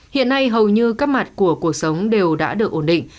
hiện nay hầu như các mặt của cuộc sống đều đã được ổn định